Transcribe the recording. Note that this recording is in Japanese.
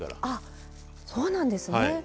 あっそうなんですね。